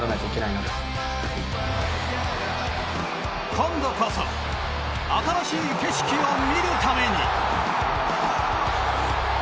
今度こそ新しい景色を見るために。